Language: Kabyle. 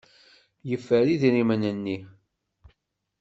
Yeffer idrimen-nni.